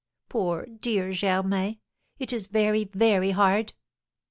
Poor, dear Germain! It is very, very hard!"